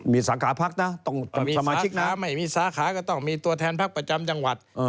มีสาขาพักนะต้องมีสมาชิกนะไม่มีสาขาก็ต้องมีตัวแทนพักประจำจังหวัด